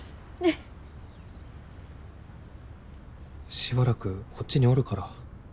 しばらくこっちにおるから。